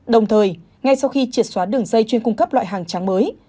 đồng thời ngay sau khi triệt xóa đường dây chuyên cung cấp loại hàng trắng mới